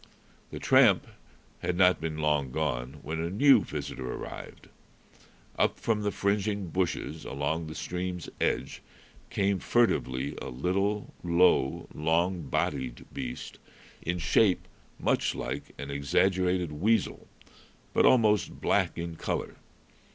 The tramp had not been long gone, when a new visitor arrived. Up from the fringing bushes along the stream's edge came furtively a little, low, long bodied beast, in shape much like an exaggerated weasel, but almost black in color.